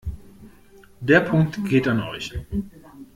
Der Punkt geht an euch.